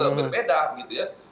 berbeda gitu ya